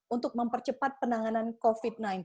untuk mempercepat penanganan covid sembilan belas